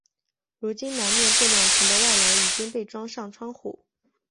如今南面这两层的外廊已经被装上窗户。